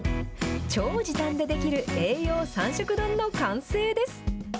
超時短で出来る栄養３色丼の完成です。